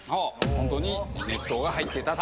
ホントに熱湯が入ってたと。